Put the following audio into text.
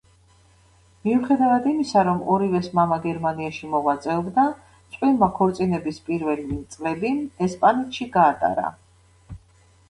მიუხედავად იმისა, რომ ორივეს მამა გერმანიაში მოღვაწეობდა, წყვილმა ქორწინების პირველი წლები ესპანეთში გაატარა.